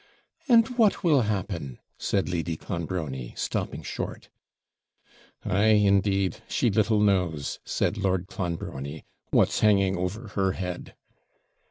'And what will happen?' said Lady Clonbrony, stopping short. 'Ay, indeed; she little knows,' said Lord Clonbrony, 'what's hanging over her head.'